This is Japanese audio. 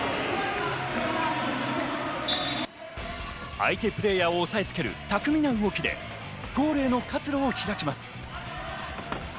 相手プレイヤーを抑えつける巧みな動きでゴールへの活路を開きます。